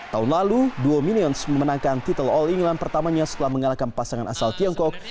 tahun lalu duo minions memenangkan title all england pertamanya setelah mengalahkan pasangan asal tiongkok